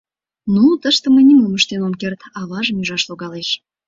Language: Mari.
Ну, тыш те мый нимом ыштен ом керт, аважым ӱжаш логалеш.